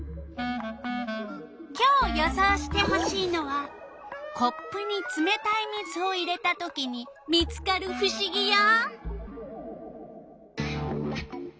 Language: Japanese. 今日予想してほしいのはコップにつめたい水を入れたときに見つかるふしぎよ！